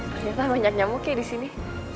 ternyata banyak nyamuk ya di sini